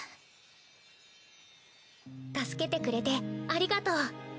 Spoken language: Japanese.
助けてくれてありがとう。